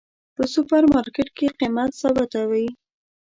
په سوپر مرکیټ کې قیمت ثابته وی